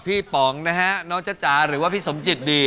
ขอมีพี่ปองนะฮะน้องจ้าจ๊าหรือว่าพีชสมจิตดี